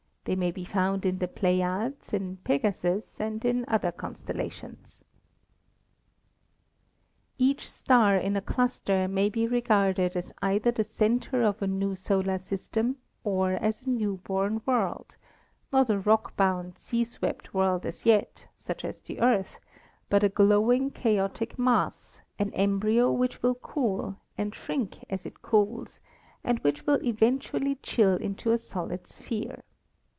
They may be found in the Pleiades, in Pegasus and in other constellations. Each star in a cluster may be regarded as either the center of a new solar system or as a new born world — not a rock bound, sea swept world as yet, such as the Earth, but a glowing chaotic mass, an embryo which will cool and shrink as it cools and which will eventually chill into a solid sphere.